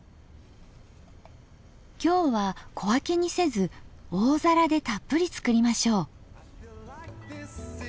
今日は小分けにせず大皿でたっぷり作りましょう。